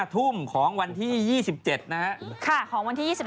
๕ทุ่มของวันที่๒๗นะครับ